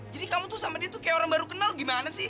jadi kamu tuh sama dia kayak orang baru kenal gimana sih